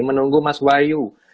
menunggu mas wahyu